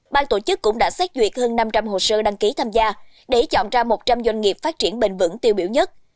ban tổ chức cũng đã xét duyệt hơn năm trăm linh hồ sơ đăng ký tham gia để chọn ra một trăm linh doanh nghiệp phát triển bền vững tiêu biểu nhất